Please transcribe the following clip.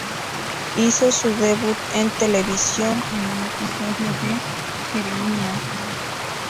Hizo su debut en televisión en un episodio de "Jeremiah".